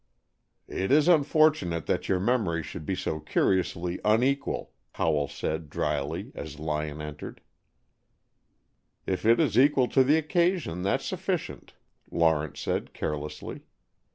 "It is unfortunate that your memory should be so curiously unequal," Howell said drily, as Lyon entered. "If it is equal to the occasion, that's sufficient," Lawrence said carelessly.